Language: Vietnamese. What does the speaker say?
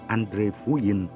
andré phú yên